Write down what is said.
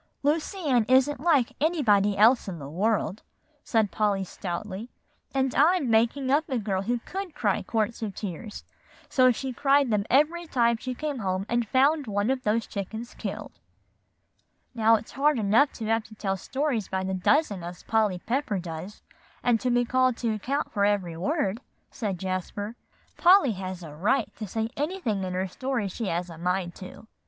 "Lucy Ann isn't like anybody else in the world," said Polly stoutly; "and I'm making up a girl who could cry quarts of tears, so she cried them every time she came home and found one of those chickens killed." "Now, it's hard enough to have to tell stories by the dozen as Polly Pepper does, and be called to account for every word," said Jasper. "Polly has a right to say anything in her stories she has a mind to."